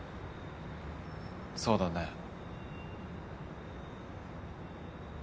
そうだね。